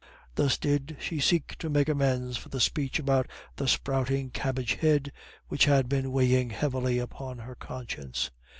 Thus did she seek to make amends for the speech about the sprouting cabbage head, which had been weighing heavily upon her conscience.